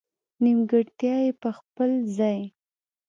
نېمګړتیا یې په خپل ځای.